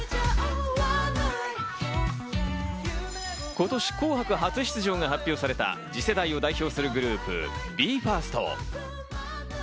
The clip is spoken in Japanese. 今年、『紅白』初出場が発表された次世代を代表するグループ、ＢＥ：ＦＩＲＳＴ。